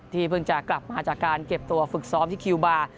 เพิ่งจะกลับมาจากการเก็บตัวฝึกซ้อมที่คิวบาร์